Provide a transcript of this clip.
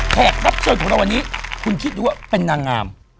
แขกรับเชิญของเราวันนี้คุณคิดดูว่าเป็นนางงาม